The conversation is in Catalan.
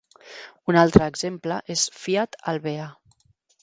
Un altra exemple és Fiat Albea.